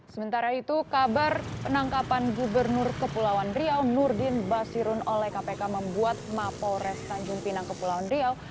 sementara itu kabar penangkapan gubernur kepulauan riau nurdin basirun oleh kpk membuat mapolres tanjung pinang kepulauan riau